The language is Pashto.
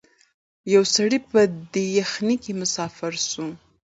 یو سړی په دې یخنۍ کي مسافر سو